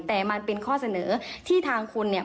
แต่มันเป็นข้อเสนอที่ทางคุณเนี่ย